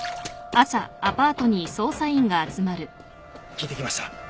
聞いてきました。